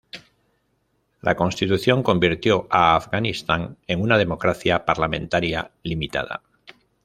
La Constitución convirtió a Afganistán en una democracia parlamentaria limitada.